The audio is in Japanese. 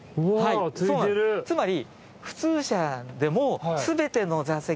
つまり。